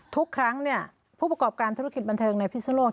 ทุกครั้งผู้ประกอบการธุรกิจบันเทิงในพิศนุโลก